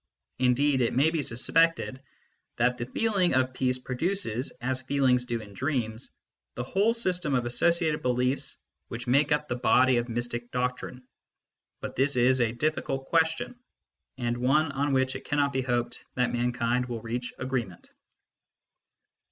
Indeed it may be suspected that the feeling of peace produces, as feelings do in dreams, the whole system of associated beliefs which make up the body of mystic doctrine. But this is a difficult question, and one on which it cannot be hoped that mankind will reach agreement.